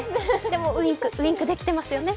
でもウインク、できてますよね。